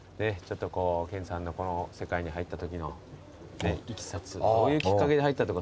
研さんのこの世界に入ったときのいきさつどういうきっかけで入ったとか。